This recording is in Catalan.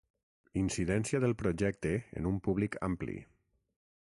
Incidència del projecte en un públic ampli.